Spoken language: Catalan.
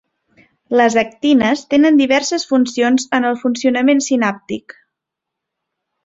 Les actines tenen diverses funcions en el funcionament sinàptic.